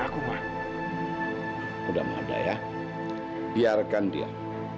aku udah tergila gila dengan julie kak